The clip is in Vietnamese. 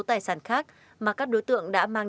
tài sản khác mà các đối tượng đã mang